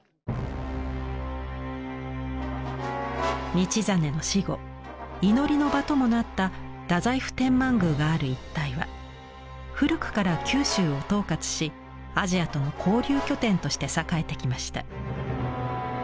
道真の死後祈りの場ともなった太宰府天満宮がある一帯は古くから九州を統括しアジアとの交流拠点として栄えてきました。